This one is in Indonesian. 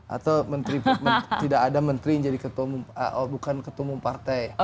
atau tidak ada menteri yang jadi ketumung bukan ketumung partai